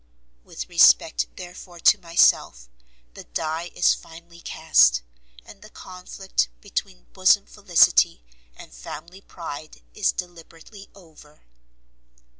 With respect therefore to myself, the die is finally cast, and the conflict between bosom felicity and family pride is deliberately over.